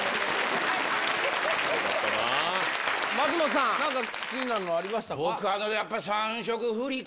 松本さん、なんか気になるのありましたか？